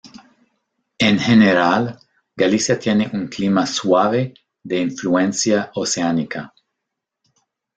En general, Galicia tiene un clima suave de influencia oceánica.